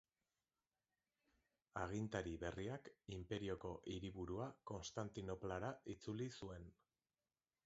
Agintari berriak inperioko hiriburua Konstantinoplara itzuli zuen.